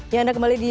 ya anda kembali di